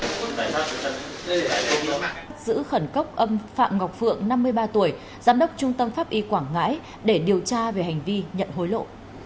giữ khẩn cấp ông phạm ngọc phượng năm mươi ba tuổi giám đốc trung tâm pháp y quảng ngãi để điều tra về hành vi nhận hối lộ